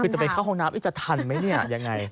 คือจะไปเข้าห้องน้ำจะทันไหมเนี่ยยังไง